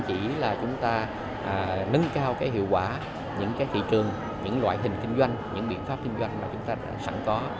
chỉ là chúng ta nâng cao cái hiệu quả những thị trường những loại hình kinh doanh những biện pháp kinh doanh mà chúng ta đã sẵn có